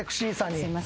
すいません。